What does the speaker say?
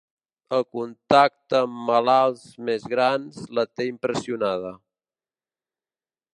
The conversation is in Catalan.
El contacte amb malalts més grans la té impressionada.